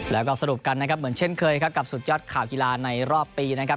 แล้วก็สรุปกันนะครับเหมือนเช่นเคยครับกับสุดยอดข่าวกีฬาในรอบปีนะครับ